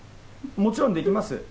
もちろんできます。